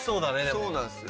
そうなんですよ。